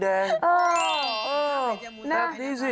แบบนี้สิ